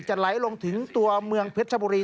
ไหลลงถึงตัวเมืองเพชรชบุรี